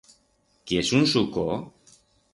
Quiers un suco?